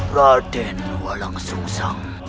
raden walang sung sang